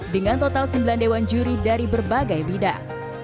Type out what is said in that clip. dengan total sembilan dewan juri dari berbagai bidang